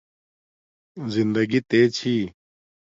زندگݵ تے چھی